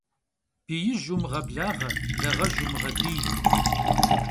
Биижь умыгъэблагъэ, благъэжь умыгъэбий.